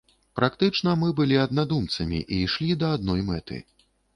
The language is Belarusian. Практычна мы былі аднадумцамі і ішлі да адной мэты.